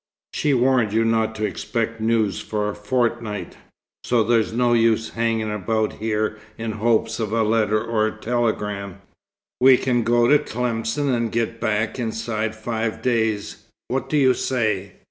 She warned you not to expect news for a fortnight, so there's no use hanging about here in hopes of a letter or telegram. We can go to Tlemcen and get back inside five days. What do you say?"